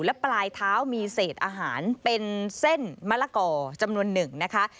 และปลายเท้ามีเศษอาหารเป็นเส้นมะละก่อจำนวนหนึ่งนะคะ